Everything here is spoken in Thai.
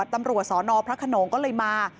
ก็แจ้งตำรวจตำรวจสอนอพระขนงก็เลยมา